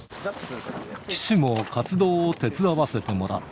岸も活動を手伝わせてもらった。